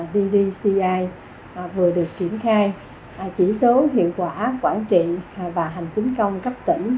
ddci vừa được triển khai chỉ số hiệu quả quản trị và hành chính công cấp tỉnh